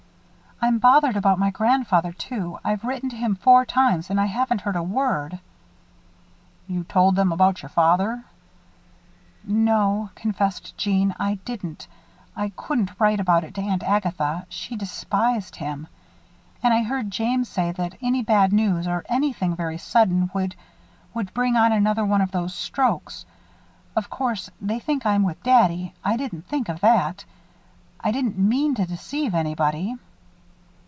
"I'm bothered about my grandfather, too. I've written to him four times and I haven't heard a word." "You told them about your father " "No," confessed Jeanne, "I didn't. I couldn't write about it to Aunt Agatha she despised him. And I heard James say that any bad news or anything very sudden would would bring on another one of those strokes. Of course they think I'm with daddy I didn't think of that. I didn't mean to deceive anybody."